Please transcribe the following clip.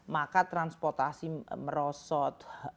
maka transportasi merosot